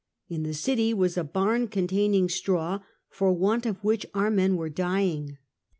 In the city was a barn containing straw, for want of which our men were dying.